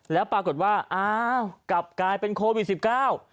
แล้วปรากฏว่าอ้าวกลับกลายเป็นโควิดสิบเก้า